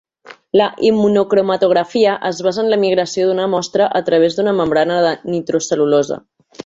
La immunocromatografia es basa en la migració d'una mostra a través d'una membrana de nitrocel·lulosa.